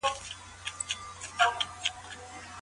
د چاپېريال لوستل د کتاب تر لوستلو کم نه دي.